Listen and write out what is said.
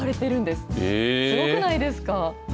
すごくないですか。